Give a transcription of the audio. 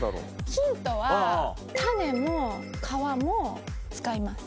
ヒントは種も皮も使います。